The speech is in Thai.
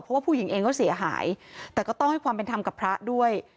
เพราะว่าผู้หญิงเองก็เสียหายแต่ก็ต้องให้ความเป็นธรรมกับพระด้วย